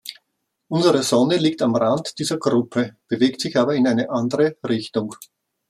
Unsere Sonne liegt am Rand dieser Gruppe, bewegt sich aber in eine andere Richtung.